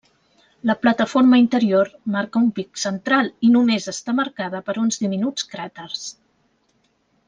La plataforma interior manca d'un pic central i només està marcada per uns diminuts cràters.